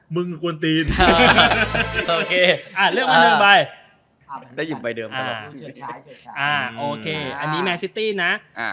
มึงควรตีนอ่าเลือกมาหนึ่งใบได้หยิบใบเดิมอ่าอ่าอันนี้แมนซิตี้น่ะอ่า